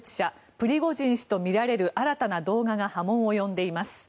プリゴジン氏とみられる新たな動画が波紋を呼んでいます。